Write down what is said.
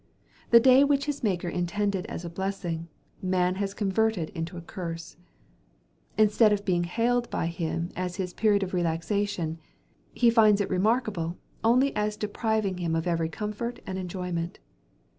The day which his Maker intended as a blessing, man has converted into a curse. Instead of being hailed by him as his period of relaxation, he finds it remarkable only as depriving him of every comfort and enjoyment.